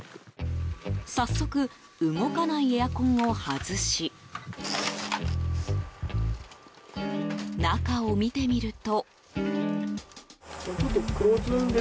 早速動かないエアコンを外し中を見てみると。